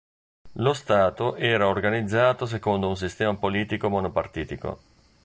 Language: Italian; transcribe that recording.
Lo Stato era organizzato secondo un sistema politico monopartitico.